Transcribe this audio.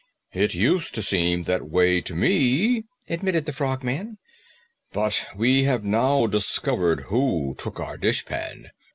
"It used to seem that way to me," admitted the Frogman, "but we have now discovered who took our dishpan.